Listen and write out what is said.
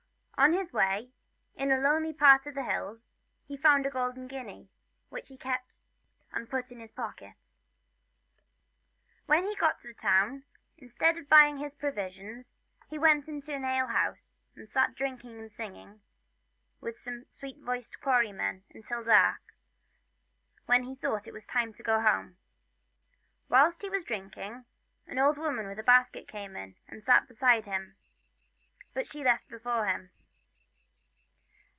On his way, in a lonely part of the hills, he found a golden guinea, which he quickly put into his pocket. When he got to the town, instead of buying his pro visions, he went into an alehouse, and sat drinking and singing with some sweet voiced quarrymen until dark, when he thought it was time to go home. Whilst he was drinking, an old woman with a basket came in, and sat beside him, but she left before him.